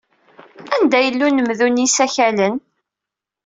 Anda yela unemdu n yisakalen?